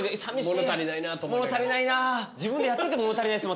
物足りないなって。